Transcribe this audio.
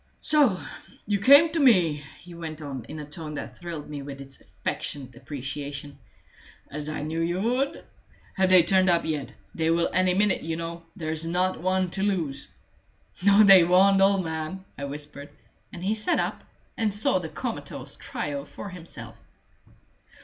"So you came to me," he went on, in a tone that thrilled me with its affectionate appreciation, "as I knew you would! Have they turned up yet? They will any minute, you know; there's not one to lose." "No, they won't, old man!" I whispered. And he sat up and saw the comatose trio for himself.